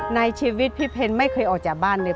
ในชีวิตพี่เพนไม่เคยออกจากบ้านเลย